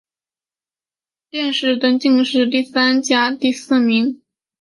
殿试登进士第三甲第四名。